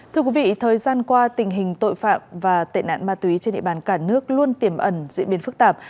thời gian qua tình hình tội phạm và tệ nạn ma túy trên địa bàn cả nước luôn tiềm ẩn diễn biến phức tạp